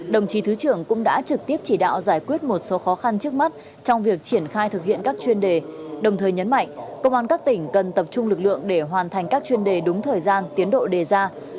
đồng chí thứ trưởng cũng đã trực tiếp chỉ đạo giải quyết một số khó khăn trước mắt trong việc triển khai thực hiện các chuyên đề đồng thời nhấn mạnh công an các tỉnh cần tập trung lực lượng để hoàn thành các chuyên đề đúng thời gian tiến độ đề ra